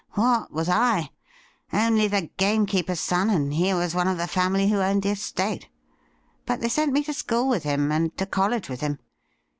What was I ? Only the game keeper's son, and he was one of the family who owned the estate. But they sent me to school with him, and to college with him.